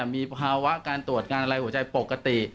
มีภาวะการตรวจการอะไรหัวใจปกติ